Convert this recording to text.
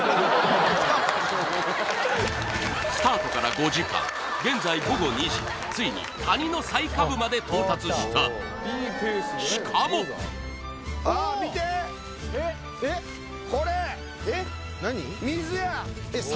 スタートから５時間現在午後２時ついに谷の最下部まで到達したしかもえっ何？